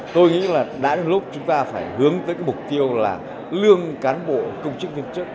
tôi nghĩ là đã đến lúc chúng ta phải hướng tới cái mục tiêu là lương cán bộ công chức viên chức